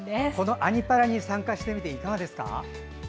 「アニ×パラ」に参加してみていかがでしたか。